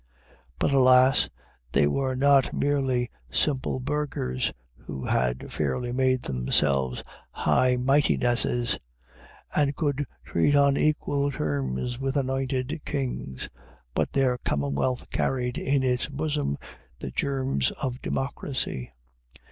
But, alas! they were not merely simple burghers who had fairly made themselves High Mightinesses, and could treat on equal terms with anointed kings, but their commonwealth carried in its bosom the germs of democracy.